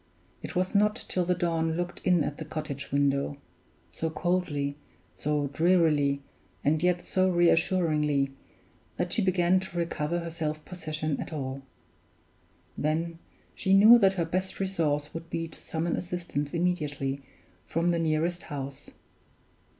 It was not till the dawn looked in at the cottage window so coldly, so drearily, and yet so re assuringly that she began to recover her self possession at all. Then she knew that her best resource would be to summon assistance immediately from the nearest house.